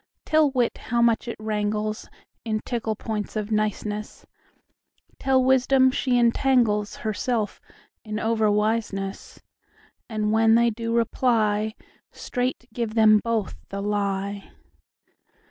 Tell wit how much it wranglesIn tickle points of niceness; Tell wisdom she entanglesHerself in over wiseness:And when they do reply, Straight give them both the lie.